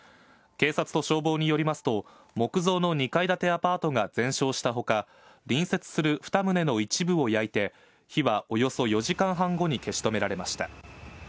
警察と消防によりますと、木造の２階建てアパートが全焼したほか、隣接する２棟の一部を焼いて、火はおよそ４時間半後に消し止められました。